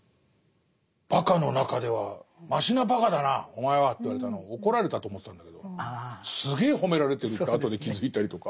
「ばかの中ではましなばかだなお前は」って言われたのを怒られたと思ってたんだけどすげえ褒められてるって後で気付いたりとか。